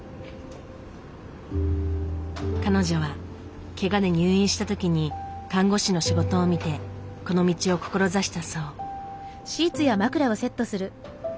彼女はケガで入院した時に看護師の仕事を見てこの道を志したそう。